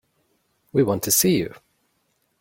We want to see you.